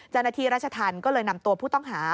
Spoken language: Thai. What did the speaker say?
จันนาธีรัชทันก็เลยนำตัวผู้ต้องหา